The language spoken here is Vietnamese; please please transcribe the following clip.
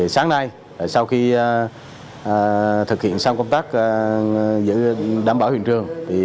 sáng nay sau khi thực hiện xong công tác giữ đảm bảo huyện trường